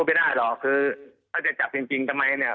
ไม่ได้หรอกคือถ้าจะจับจริงทำไมเนี่ย